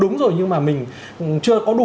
đúng rồi nhưng mà mình chưa có đủ